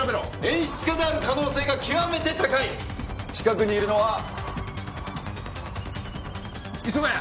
演出家である可能性が極めて高い近くにいるのは磯ヶ谷！